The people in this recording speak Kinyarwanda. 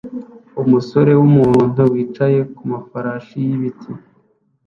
umusore wumuhondo wicaye kumafarasi yibiti